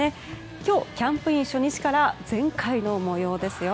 今日、キャンプイン初日から全開の模様ですよ。